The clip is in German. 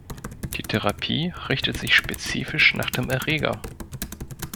Die Therapie richtet sich spezifisch nach dem Erreger.